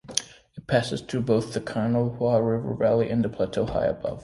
It passes through both the Kanawha River Valley and the plateau high above.